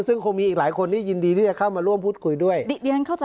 ซึ่งคงมีอีกหลายคนที่ยินดีที่จะเข้ามาร่วมพูดคุยด้วย